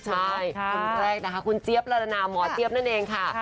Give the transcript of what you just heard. กลุ่นแรกคุณเจ๊ี๊บระราณามวงมเจ๊บนั่นเองค่ะ